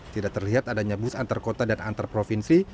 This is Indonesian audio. tidak terlihat adanya bus antar kota dan antar provinsi